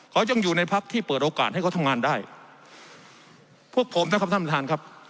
เขายังอยู่ในพักที่เปิดโอกาสให้เขาทำงานได้พวกผมนะครับท่านประธานครับ